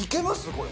これ。